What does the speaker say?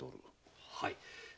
はい。